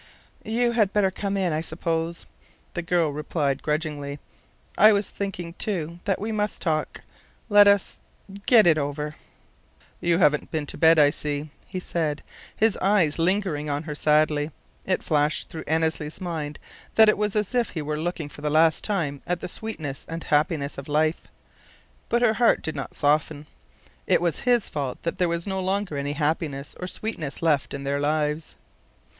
"You had better come in, I suppose," the girl replied, grudgingly. "I was thinking, too, that we must talk. Let us get it over." "You haven't been to bed, I see," he said, his eyes lingering on her sadly. It flashed through Annesley's mind that it was as if he were looking for the last time at the sweetness and happiness of life. But her heart did not soften. It was his fault that there was no longer any happiness or sweetness left in their lives.